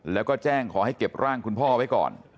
แล้วก็แจ้งขอให้เก็บร่างคุณพ่อไว้ก่อน